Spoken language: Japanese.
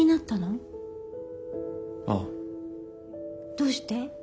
どうして？